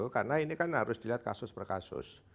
karena ini kan harus dilihat kasus per kasus